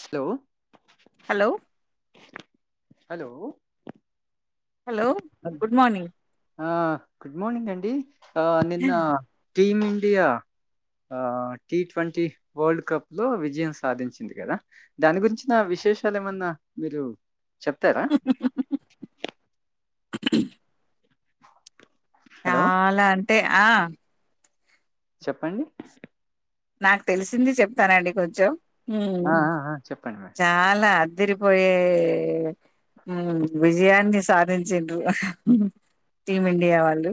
Hello hello hello hello good morning ఆ good morning అండి ఆ నిన్న టీమ్ ఇండియా ఆ టీ ట్వంటీ వరల్డ్ కప్ లో విజయం సాధించింది కదా దాని గురించ నా విశేషాలు ఏమన్నా మీరు చెప్తారా హలో చాలా అంటే ఆ చెప్పండి నాకు తెలిసింది చెప్తానండి కొంచెం ఆ ఉం ఆ ఆ చెప్పండి మరి చాలా అదిరిపోయే మ్ విజయాన్ని సాధించిండ్రు టీమిండియా వాళ్ళు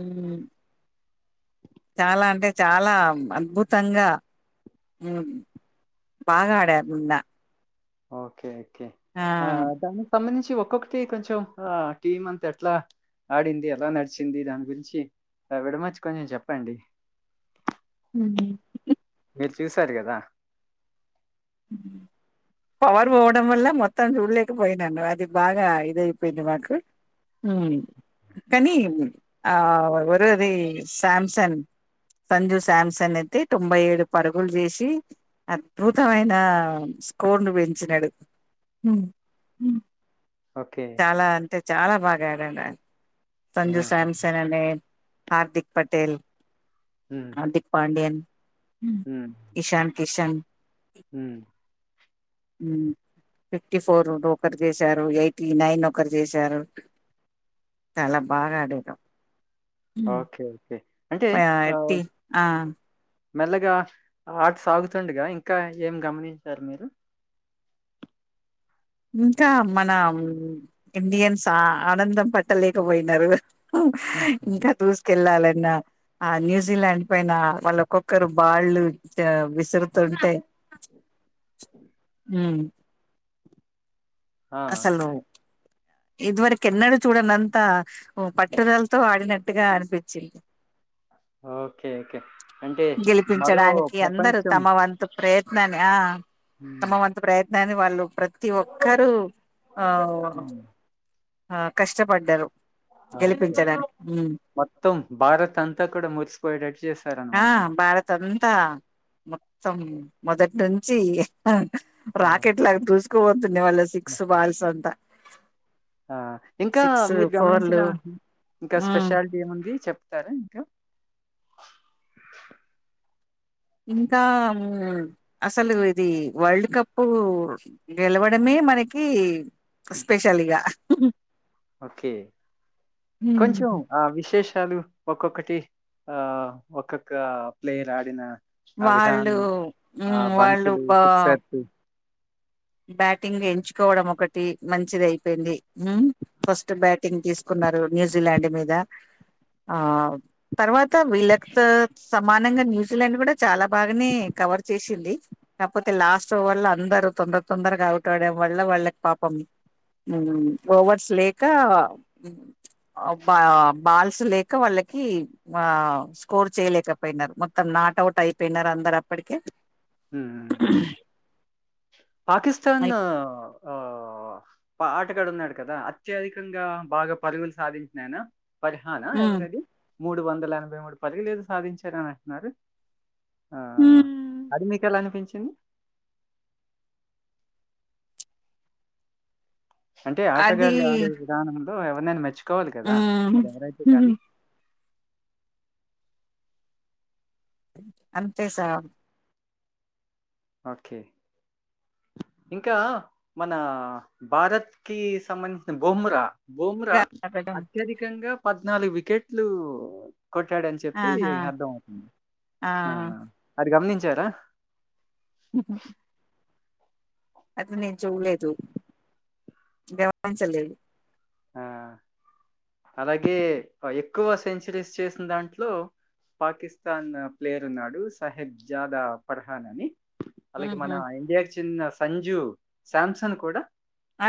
మ్ చాలా అంటే చాలా అద్భుతంగా బాగా ఆడారు నిన్న ఓకే ఆ అ దాని సంబంధించి ఒక్కొక్కటి కొంచెం ఆ టీమ్ అంతా ఎట్లా ఆడింది ఎలా నడిచింది దాని గురించి ఆ విడమచ్చి కొంచెం చెప్పండి ఉ మీరు చూసారు కదా పవర్ పోవడం వల్ల మొత్తం చూడలేకపోయినాను అది బాగా ఇదయిపోయింది మాకు కానీ ఆ ఎవరోది శామ్సన్ సంజు శాంసన్ అయితే తొంభై ఏడు పరుగులు చేసి అద్భుత్ తమైన స్కోర్ ను పెంచినాడు ఉ ఉ ఓకే చాలా అంటే చాలా బాగా బెరనా ఆ సంజు సమ్సన్ అనే హార్దిక్ పటేల్ ఉమ్ హార్దిక్ పాండ్యన్ ఉమ్ ఇశాన్ కిశాన్ ఉ ఉమ్ ఫిఫ్టీ ఫోర్ ఒకరు చేశారు ఎయిటీ నైన్ ఒకరు చేశారు చాలా బాగా ఆడేరు చాలా ఓకే అయితే ఫయార్టీ ఆ మెల్లగా ఆట సాగుతుండగా ఇంకా ఏం గమనించారు మీరు ఇంకా మన ఇండియన్స్ ఆ ఆనందం పట్టలేకపోయినారు హుహు. ఇకా దూసు వెళ్లాలన్న ఆ న్యూజిలాండ్ పైన వాళ్ళ ఒక్కొక్కరు బాల్లు విసురుతుంటే ఉమ్ ఆ! అసలు ఇదివరకు ఎన్నడు చూడంని అంతా పట్టుదలతో ఆడినట్టుగా అనిపించింది. ఓకే. ఓకే. అంటే మరో గెలిపించడానికి అందరు ప్రపంచం తమ వంతు ప్రయత్ ననే ఆ హ్మ్. తమ వంతు ప్రయత్ దాని వాళ్ళు ప్రతి ఒక్కరూ ఓ హ్మ్. ఆ కష్టపడ్డారు. ఓకే గెలిపించడానికి ఉమ్ మొత్తం భారత్ అంతా కూడా మురిసిపోయేటట్టు ఆ చేసారనమాట. భారత్ అంతా మొత్తం మొదటి నుంచి. ఆ! రాకెట్ లాగా దూసుకు పోతుండే వాల్ హ్మ్. వాల్ సంత ఆ ఇంకా మీరు గమనించిన ఇంకా స్పెషాలిటీ ఏముంది. చెప్ తార ఇంకా ఇంకా అసలు ఇది వరల్డ్ కప్పు గెలవడమే మనకి స్పెషల్ ఇగ ఓకే కొంచెం ఆ విశే చాలు ఒక్కొక్కటి ఆ ఒక్కొక్క ప్లేయర్ ఆడిన ఆ వాళ్ళు విధానం ఆ ఉమ్ వాళ్ళు బంతులు బా సిక్సర్స్ బ్యాటింగ్ ఎంచుకోవడం ఒకటి మంచిది అయిపోయింది. ఫస్ట్ బ్యాటింగ్ తీసుకున్నారు న్యూజిలాండ్ మీద ఆ తర్వాత విలక్త్ తో సమానంగా న్యూజిలాండ్ కూడా చాలా బాగానే కవర్ చేసింది. కాకపోతే లాస్ట్ ఓవర్ లో అందరు తొం తొందరగా అవుట్ అవడం వల్ల వాళ్ళకి పాపం ఓవర్స్ లేక బా బాల్స్ లేక వాళ్ళకి ఆ స్కోర్ చేయలేకపోయినారు. మొత్తం నాట్ అవుట్ అయిపోయినారు. అందరు అప్పటికే ఉం పాకిస్తాన్ అయి- ఆ ఆటగాడు ఉన్నాడు కదా అత్యధికంగా బాగా పరుగులు సాధించిన ఆయన పర్హానా ఉమ్ ఎవరు అది మూడు వందల ఎనభై మూడు పరుగులు ఏదో సాధించార అని అంటున్నారు. ఆ ఉమ్. అది మీకెలా అనిపించి [inaudible] అంటే ఆటగాళ్లు అది ఆడే విధానం. ఎవరినైనా మెచ్చు కోవాలి కదా హ్మ్ అది ఎవరైతే హుహు. గాని అంతే స ఓకే ఇంకా మన భారత్ కి సంబంధించిన బుమ్రా బుమ్రా అత్యధికంగా పద్నాలుగు వికెట్లు కొట్టాడు అని చెప్పి ఆహా అర్థం అవుతుంది ఆ అది గమనించ చారా ఉహు అది నేను చూలేదు గమనించలేదు ఆ అలాగే ఎక్కువ సెంచరీస్ చేసిన దాంట్లో పాకిస్తాన్ ప్లేయర్ ఉన్నాడు సాహెబ్ జాదా పర్హాన్ అని అలాగే మన ఉహు ఇండియా చిన్న సంజు శాంసన్ కూడా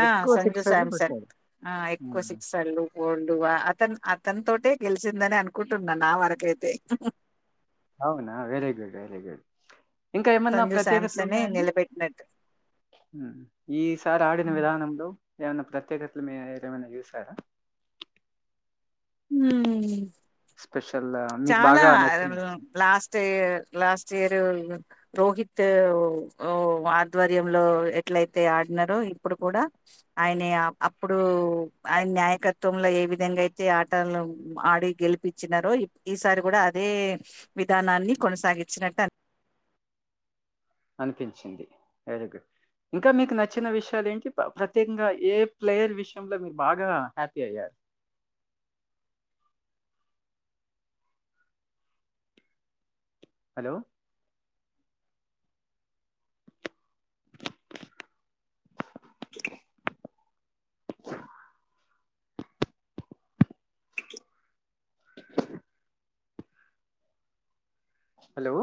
ఆ ఎక్కువ సంజు సిక్సర్లు శాంసన్ కొట్టాడు. ఆ ఎక్కువ హ్మ్. సిక్సర్లు ఫోర్లు అతను అతని తోటే గెలిసింది అని అనుకుంటున్నా నా వరకైతే అవునా వెరీ గుడ్ వెరీ గుడ్ ఇంకా ఏమన్నా సంజు ప్రత్యేకతలు శాంసనే ఉన్నాయండి నిలబెట్టినట్టు ఈసారి ఆడిన విధానంలో ఏమైన్నా ప్రత్యేకతలు మీరు ఏదమైనా చూసారా హ్మ్మ్ స్పెషల్ మీకు చాలా బాగా నచ్చింది లాస్ట్ అయితే లాస్ట్ ఇయర్ రోహిత్ ఆధ్వర్యంలో ఎట్లయితే ఆడినారో ఇప్పుడు కూడా ఆయన అప్పుడు ఆయన నాయకత్వంలో ఏ విధంగా అయితే ఆటలు ఆడి గెలిపించినారో ఈసారి కూడా అదే విధానాన్ని కొనసాగిచినట్టు అనిపించింది వెరీ గుడ్ ఇంకా మీకు నచ్చిన విషయాలు ఏంటి ప్రత్యేకంగా ఏ ప్లేయర్ విషయంలో మీరు బాగా హ్యాపీ అయ్యారు హలో స్ స్ హాలో